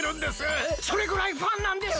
それぐらいファンなんです！